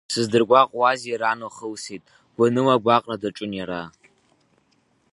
Сыздыргәаҟуазеи ран лхылсеит, гәаныла агәаҟра даҿын иара.